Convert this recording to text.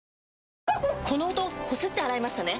この音こすって洗いましたね？